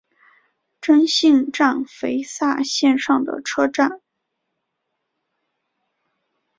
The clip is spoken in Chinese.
真幸站肥萨线上的车站。